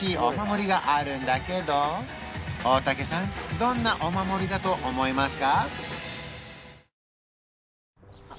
どんなお守りだと思いますか？